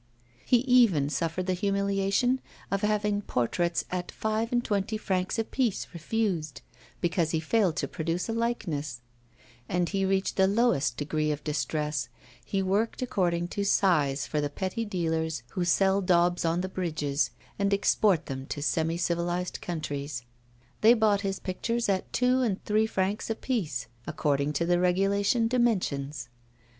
He even suffered the humiliation of having portraits at five and twenty francs a piece refused, because he failed to produce a likeness; and he reached the lowest degree of distress he worked according to size for the petty dealers who sell daubs on the bridges, and export them to semi civilised countries. They bought his pictures at two and three francs a piece, according to the regulation dimensions.